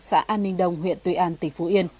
xã an ninh đông huyện tuy an tỉnh phú yên